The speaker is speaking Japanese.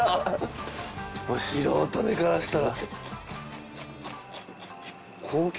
素人目からしたら。